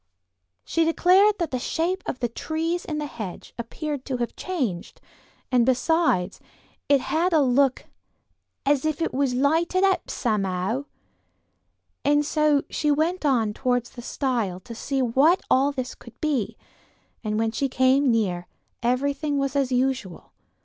'" She declared that the shape of the trees in the hedge appeared to have changed, and besides, it had a look "as if it was lighted up, somehow," and so she went on towards the stile to see what all this could be, and when she came near everything was as usual.